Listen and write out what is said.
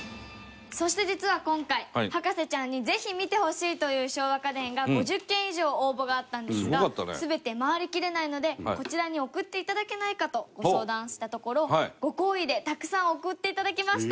そして、実は今回博士ちゃんに、ぜひ見てほしいという昭和家電が５０件以上応募があったんですが全て回りきれないのでこちらに送っていただけないかとご相談したところご厚意でたくさん送っていただきました。